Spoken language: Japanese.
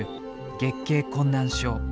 月経困難症。